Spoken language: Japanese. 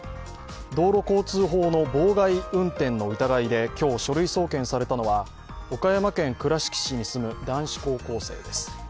道路交通法の妨害運転の疑いで今日、書類送検されたのは岡山県倉敷市に住む男子高校生です。